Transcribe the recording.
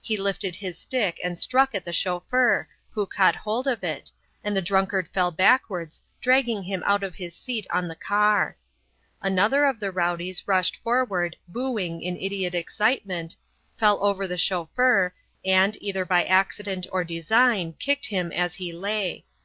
He lifted his stick and struck at the chauffeur, who caught hold of it, and the drunkard fell backwards, dragging him out of his seat on the car. Another of the rowdies rushed forward booing in idiot excitement, fell over the chauffeur, and, either by accident or design, kicked him as he lay.